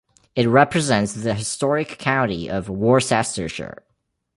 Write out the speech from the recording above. It represents the historic county of Worcestershire.